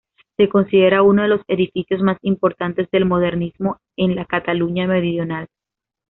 Se considera uno de los edificios más importantes del modernismo en la Cataluña meridional.